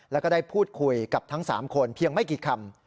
แล้วก็ได้พูดคุยกับทั้ง๓คนเพียงไม่กี่คำ